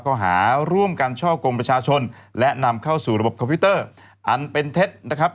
ข้อหาร่วมกันช่อกงประชาชนและนำเข้าสู่ระบบคอมพิวเตอร์อันเป็นเท็จนะครับ